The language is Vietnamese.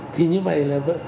thì như vậy là